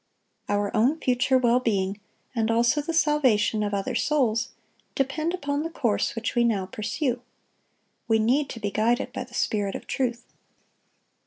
Our own future well being, and also the salvation of other souls, depend upon the course which we now pursue. We need to be guided by the Spirit of truth.